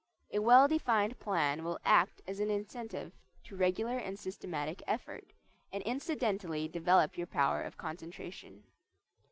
A well defined plan will act as an incentive to regular and systematic effort, and incidentally develop your power of concentration.